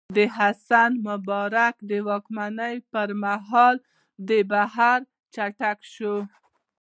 د حسن مبارک د واکمنۍ پر مهال دا بهیر چټک شو.